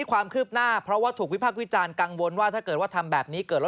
วางไว้บน